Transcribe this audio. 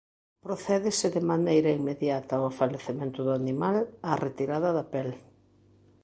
Procédese de maneira inmediata ao falecemento do animal á retirada da pel.